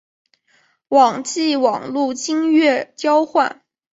网际网路金钥交换。